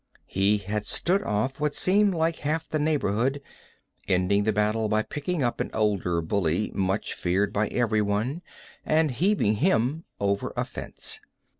He had stood off what seemed like half the neighborhood, ending the battle by picking up an older bully, much feared by everyone, and heaving him over a fence.